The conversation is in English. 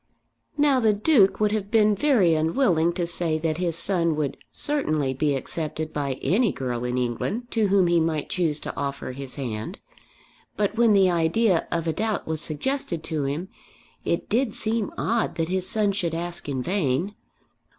Now the Duke would have been very unwilling to say that his son would certainly be accepted by any girl in England to whom he might choose to offer his hand. But when the idea of a doubt was suggested to him, it did seem odd that his son should ask in vain.